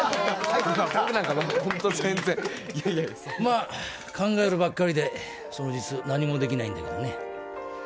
僕なんかいやいやまあ考えるばっかりでその実何もできないんだけどね